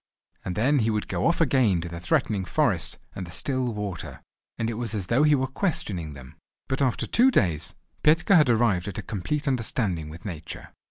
And then he would go off again to the threatening forest, and the still water, and it was as though he were questioning them. But after two days Petka had arrived at a complete understanding with Nature.